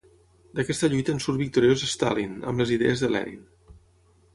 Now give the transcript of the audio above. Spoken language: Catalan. D'aquesta lluita en surt victoriós Stalin amb les idees de Lenin.